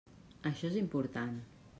Això és important.